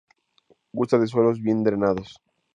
Gusta de suelos bien drenados.